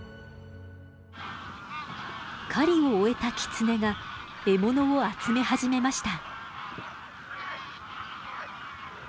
狩りを終えたキツネが獲物を集め始めました。